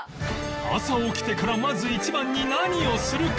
朝起きてからまず一番に何をするか